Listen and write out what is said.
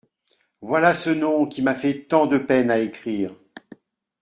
Voilà ce nom qui m''a fait tant de peine à écrire.